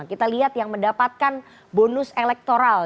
kita lihat yang mendapatkan bonus elektoral